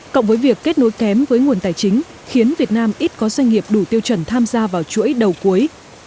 cộng với việc kết nối kém với nguồn tài chính khiến việt nam ít có doanh nghiệp đủ tiêu chuẩn tham gia vào chuỗi đầu cuối